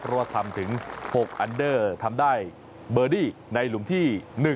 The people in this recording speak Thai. เพราะว่าทำถึง๖อันเดอร์ทำได้เบอร์ดี้ในหลุมที่๑